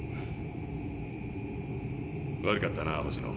悪かったな星野。